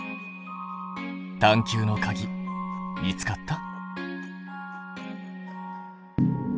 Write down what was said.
探究のかぎ見つかった？